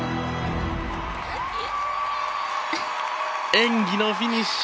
演技のフィニッシュ。